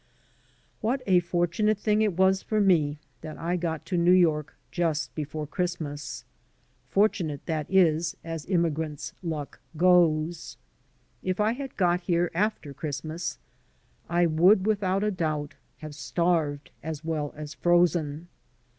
What a fortunate thing it was for me that I got to New York just before Christmas! Fortimate, that is, as immigrant's luck goes. If I had got here after Christmas I would, without a doubt, have starved as well as frozen.